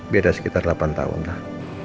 beda sekitar delapan tahun lah